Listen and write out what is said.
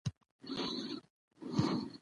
او د بهرنيانو لخوا په كې ځنې پلټنې هم ترسره شوې،